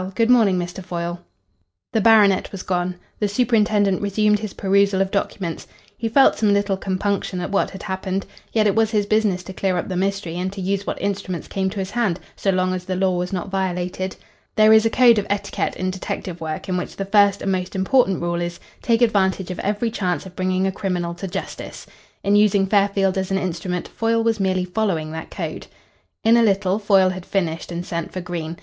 Good morning, Mr. Foyle." The baronet was gone. The superintendent resumed his perusal of documents. He felt some little compunction at what had happened. Yet it was his business to clear up the mystery, and to use what instruments came to his hand, so long as the law was not violated. There is a code of etiquette in detective work in which the first and most important rule is: "Take advantage of every chance of bringing a criminal to justice." In using Fairfield as an instrument, Foyle was merely following that code. In a little, Foyle had finished and sent for Green.